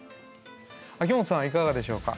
秋元さんはいかがでしょうか？